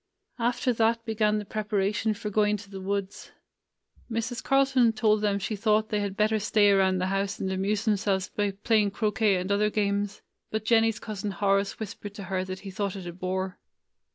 After that began the prepara tion for going to the woods. Mrs. Carlton told them she thought they had better stay around the house and amuse themselves by playing croquet and other games ; but Jennie's cousin Horace whispered to her that he thought it a bore.